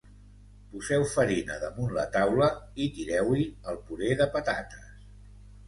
Poseu farina damunt la taula i tireu-hi el puré de patates